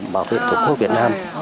bảo vệ tổ quốc việt nam